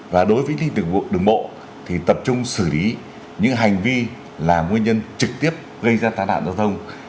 và đối với lĩnh vực đường bộ thì tập trung xử lý những hành vi là nguyên nhân trực tiếp gây ra tác đạn giao thông